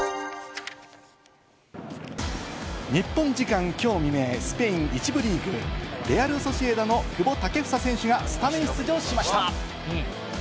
日本時間きょう未明、スペイン１部リーグ、レアル・ソシエダの久保建英選手がスタメン出場しました。